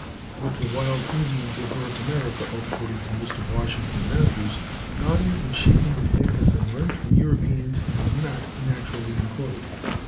With the wild Indians of North America, according to Mr. Washington Matthews, nodding and shaking the head have been learnt from Europeans, and are not naturally employed.